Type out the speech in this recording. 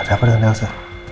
ada apa dengan elsa